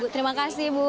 terima kasih ibu